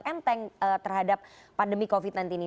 apa yang terjadi terhadap pandemi covid sembilan belas ini